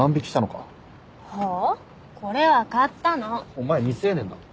お前未成年だろ？